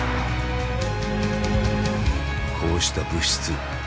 こうした「物質」。